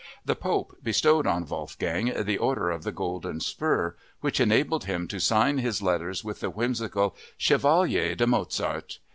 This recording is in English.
The Pope bestowed on Wolfgang the Order of the Golden Spur, which enabled him to sign his letters with the whimsical "Chevalier de Mozart."